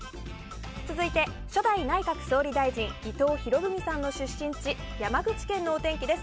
続いて初代内閣総理大臣伊藤博文さんの出身地山口県のお天気です。